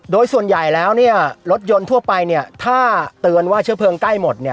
โดยส่วนใหญ่แล้วรถยนต์ทั่วไปถ้าเตือนว่าเชื้อเพลิงใกล้หมด